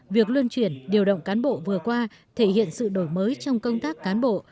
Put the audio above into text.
việc luân chuyển điều động cán bộ vừa qua thể hiện sự đổi mới trong công tác cán bộ